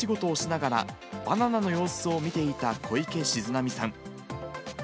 ２０年ほど前から畑仕事をしながら、バナナの様子を見ていた小池静波さん。